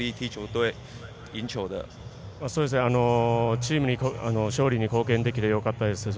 チームに勝利に貢献できてよかったです。